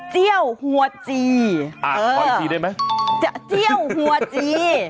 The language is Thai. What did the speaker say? เจี้ยวหัวจีเออเอาอีกทีได้ไหมเจี้ยวหัวจี